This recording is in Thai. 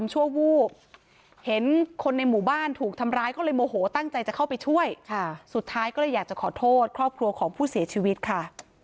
สุดท้ายก็เลยอยากจะขอโทษครอบครัวของผู้เสียชีวิตค่ะ